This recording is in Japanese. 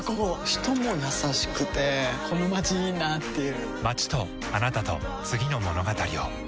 人も優しくてこのまちいいなぁっていう